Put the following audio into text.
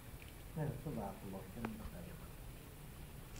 Ahat ad ɛeṭṭleɣ kra n ddqayeq.